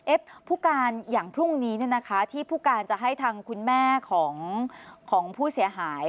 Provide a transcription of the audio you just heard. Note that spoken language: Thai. ผู้การอย่างพรุ่งนี้เนี่ยนะคะที่ผู้การจะให้ทางคุณแม่ของผู้เสียหาย